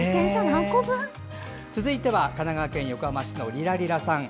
続いては神奈川県横浜市のリラリラさん。